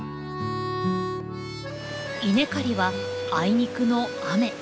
稲刈りはあいにくの雨。